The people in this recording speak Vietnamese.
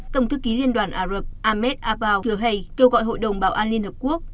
tổng thư ký liên đoàn ả rập ahmed aboog hay kêu gọi hội đồng bảo an liên hợp quốc